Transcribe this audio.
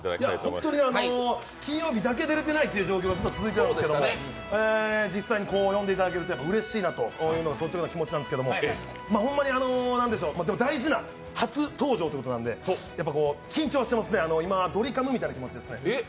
本当に金曜日だけ出れてない状況が続いてたんですけど、実際に呼んでいただけるとうれしいなというのが率直な気持ちなんですけど、ホンマに大事な初登場ということなんで、やっぱ緊張していますねドリカムみたいな気持ちです。